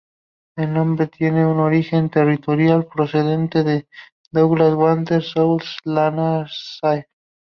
El nombre tiene un origen territorial procedente de Douglas Water en South Lanarkshire.